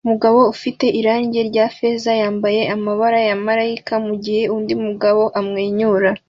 Umugabo ufite irangi rya feza yambara amababa ya malayika mugihe undi mugabo amwenyura